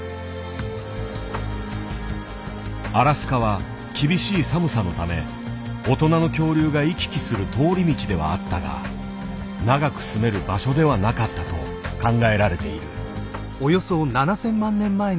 アラスカは厳しい寒さのため大人の恐竜が行き来する通り道ではあったが長く住める場所ではなかったと考えられている。